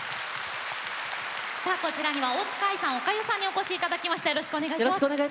こちらには、大塚愛さんおかゆさんにお越しいただきました。